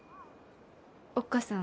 おっ母さん。